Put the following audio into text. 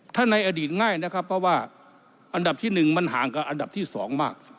ถ้าในอดีตง่ายนะครับเพราะว่าอันดับที่๑มันห่างกับอันดับที่๒มาก